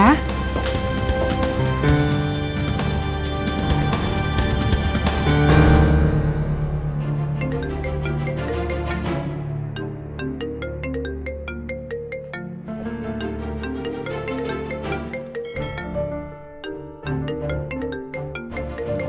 sampai jumpa lagi